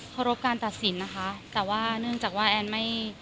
ขอรบการตัดสินนะคะแต่ว่าเนื่องจากว่าแอนไม่